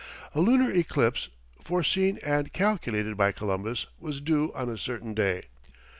A lunar eclipse, foreseen and calculated by Columbus, was due on a certain day.